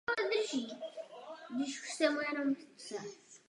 Svůj hlas propůjčila do animovaného vánočního filmu "Cesta za Ježíškem".